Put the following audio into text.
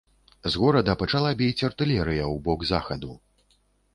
З горада пачала біць артылерыя ў бок захаду.